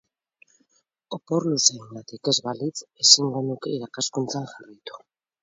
Opor luzeengatik ez balitz, ezingo nuke irakaskuntzan jarraitu.